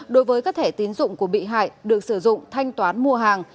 đối với các thẻ tín dụng của bị hại được sử dụng thanh toán mua hàng